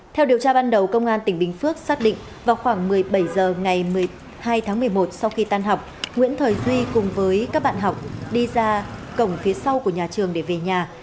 theo điều tra ban đầu công an tỉnh bình phước xác định vào khoảng một mươi bảy h ngày một mươi hai tháng một mươi một sau khi tan học nguyễn thời duy cùng với các bạn học đi ra cổng phía sau của nhà trường để về nhà